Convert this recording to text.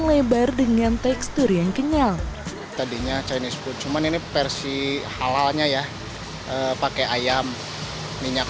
lebar dengan tekstur yang kenyal tadinya chinese food cuman ini versi halalnya ya pakai ayam minyak